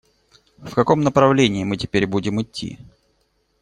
В каком направлении мы теперь будем идти?